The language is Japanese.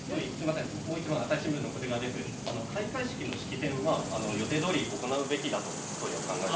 開会式の式典は予定どおり行うべきだとお考えですか。